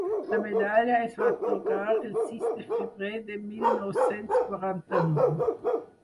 La medalla es va atorgar el sis de febrer de mil nou-cents quaranta-nou.